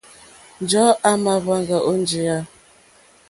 Njɔ̀ɔ́ à mà hwáŋgá ó njìyá.